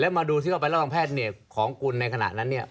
แล้วมาดูที่ว่าใบรับรองแพทย์ของคุณในขณะนั้น